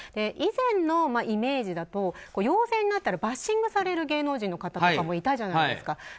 以前のイメージだと陽性になったらバッシングされる芸能人の方もいたじゃないですか。